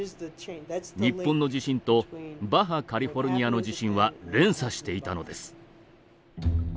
日本の地震とバハ・カリフォルニアの地震は連鎖していたのです。